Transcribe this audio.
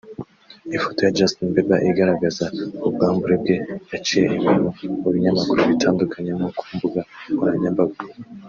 Ifoto ya Justin Bieber igaragaza ubwambure bwe yaciye ibintu mu binyamakuru bitandukanye no ku mbuga nkoranyambaga